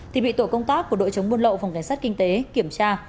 thì bị tổ công tác của đội chống buôn lậu phòng cảnh sát kinh tế kiểm tra